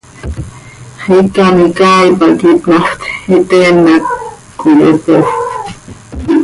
Xiica an icaai pac itnaft, iteen hac cöiyopofc.